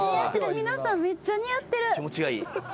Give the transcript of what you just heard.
皆さんめっちゃ似合ってる。